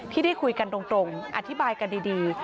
ที่ได้คุยกันตรงอธิบายกันดี